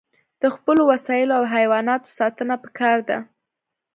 د خپلو وسایلو او حیواناتو ساتنه پکار ده.